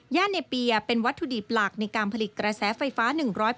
ย่านเหนเปียร์เป็นวัตถุดีปลากในการผลิตกระแสไฟฟ้า๑๐๐